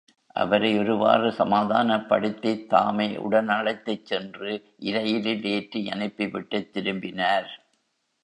அவரை ஒருவாறு சமாதானப் படுத்தித் தாமே உடனழைத்துச் சென்று இரயிலில் ஏற்றி அனுப்பிவிட்டுத் திரும்பினார்.